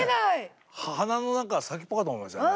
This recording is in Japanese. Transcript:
花の何か先っぽかと思いましたね。